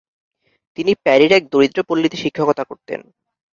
তিনি প্যারির এক দরিদ্র পল্লীতে শিক্ষকতা করতেন।